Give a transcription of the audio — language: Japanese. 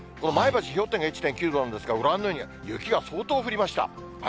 前橋氷点下１．９度なんですが、ご覧のように雪が相当降りました。